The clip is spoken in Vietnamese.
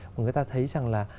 mà người ta thấy rằng là